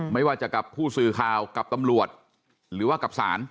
ไม่ว่าจะกับผู้สื่อข่าวกับตำรวจหรือว่ากับศาล